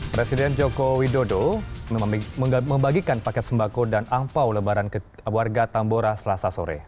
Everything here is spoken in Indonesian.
presiden joko widodo membagikan paket sembako dan angpao lebaran ke warga tambora selasa sore